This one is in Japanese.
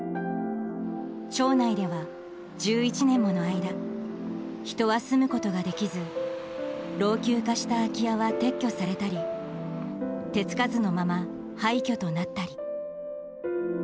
町内では１１年もの間人は住むことができず老朽化した空き家は撤去されたり手つかずのまま廃虚となったり。